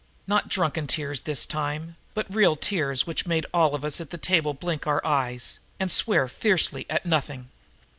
Not drunken tears this time, but real tears which made all of us at the table blink our eyes and swear fiercely at nothing.